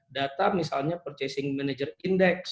data misalnya purchasing manager index